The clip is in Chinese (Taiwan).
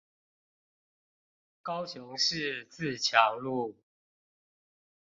高雄市自強路